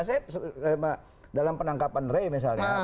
saya dalam penangkapan rey misalnya